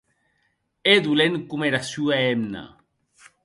E dolent coma era sua hemna.